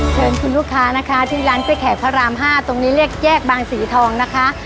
เชิญคุณลูกค้านะคะที่ร้านกล้วยแขกพระราม๕ตรงนี้เรียกแยกบางสีทองนะคะ